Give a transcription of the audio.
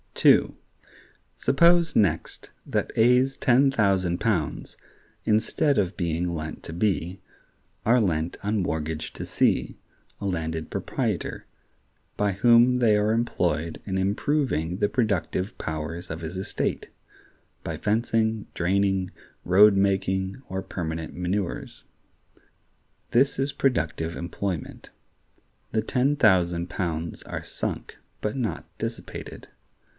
(2.) Suppose next that A's ten thousand pounds, instead of being lent to B, are lent on mortgage to C, a landed proprietor, by whom they are employed in improving the productive powers of his estate, by fencing, draining, road making, or permanent manures. This is productive employment. The ten thousand pounds are sunk, but not dissipated.